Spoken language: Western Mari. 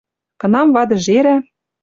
Кынам вады жерӓ